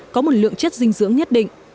có một lượng chất dinh dưỡng nhất định